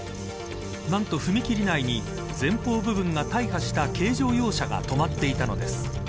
なんと、踏切内に前方部分が大破した軽乗用車が止まっていたのです。